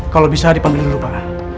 kalau bisa dipanggil dulu pak